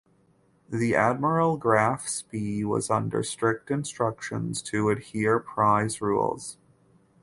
The "Admiral Graf Spee" was under strict instructions to adhere prize rules.